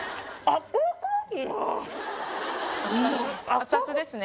熱々ですね。